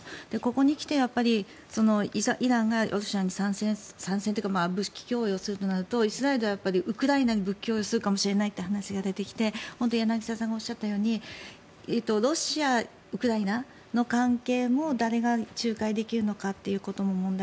ここに来てイランがロシアに参戦というか武器供与するとなるとイスラエルはウクライナに武器供与するかもしれないという話が出てきて柳澤さんがおっしゃったようにロシア、ウクライナの関係も誰が仲介できるのかということも問題